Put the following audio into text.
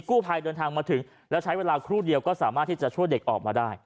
กู้ภัยเดินทางมาถึงแล้วใช้เวลาครู่เดียวก็สามารถที่จะช่วยเด็กออกมาได้